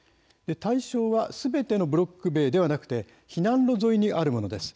対象はすべてのブロック塀ではなく、避難路沿いにあるものです。